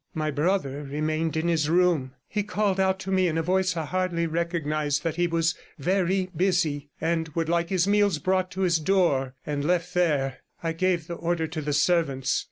My brother remained in his room. He called out to me in a voice I hardly recognized that he was very busy, and would like his meals brought to his door and left there, and I gave the order to the servants.